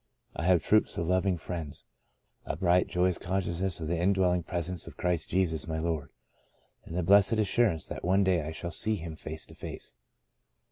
I have troops of loving friends, a bright, joyous consciousness of the indwelling presence of Christ Jesus my Lord, and the blessed assur ance that one day I shall see Him face to face.''